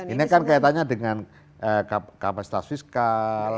ini kan kaitannya dengan kapasitas fiskal